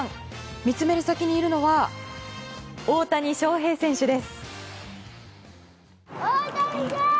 見つめる先にいるのは大谷翔平選手です。